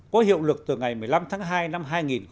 có hiệu lực từ ngày một mươi năm tháng hai năm hai nghìn một mươi bảy